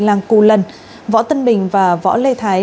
làng cù lần võ tân bình và võ lê thái